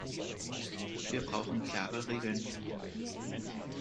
Wir brauchen klare Regeln.